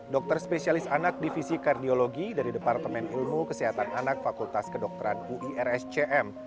dokter spesialis anak divisi kardiologi dari departemen ilmu kesehatan anak fakultas kedokteran uirscm